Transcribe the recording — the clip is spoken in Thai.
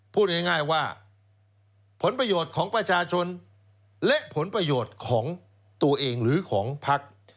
พูดง่ายว่าผลประโยชน์ของประชาชนและผลประโยชน์ของตัวเองหรือของพัก